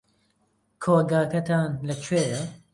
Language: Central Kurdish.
کۆگاکەتان لەکوێیە؟